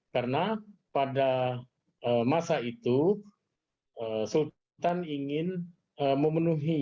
karena pada masa itu sultan ingin memenuhi kuota